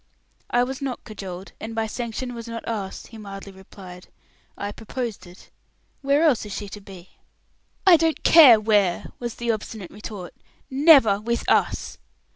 "I was not cajoled, and my sanction was not asked," he mildly replied. "I proposed it. Where else is she to be?" "I don't care where," was the obstinate retort. "Never with us."